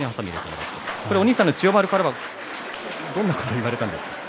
お兄さんの千代丸からはどんなことを言われたんですか。